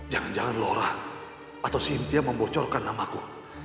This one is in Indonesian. jangan jangan laura atau cynthia membocorkan namaku